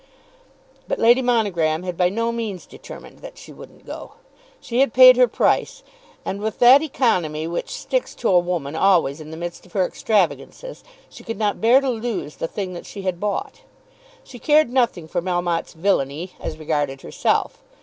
But Lady Monogram had by no means determined that she wouldn't go. She had paid her price, and with that economy which sticks to a woman always in the midst of her extravagances, she could not bear to lose the thing that she had bought. She cared nothing for Melmotte's villainy, as regarded herself.